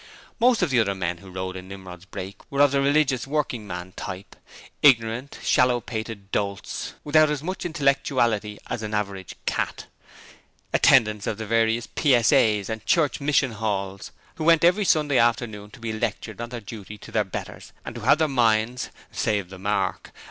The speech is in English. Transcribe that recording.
Most of the other men who rode in Nimrod's brake were of the 'religious' working man type. Ignorant, shallow pated dolts, without as much intellectuality as an average cat. Attendants at various PSAs and 'Church Mission Halls' who went every Sunday afternoon to be lectured on their duty to their betters and to have their minds save the mark!